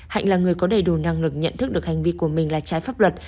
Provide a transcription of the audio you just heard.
hạnh là người có đầy đủ năng lực nhận thức được hành vi của mình là trái pháp luật